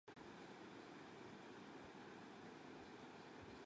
لا غرني يا صاحب الدستيجه